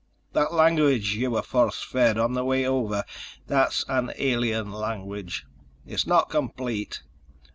That language you were force fed on the way over, that's an alien language. It's not complete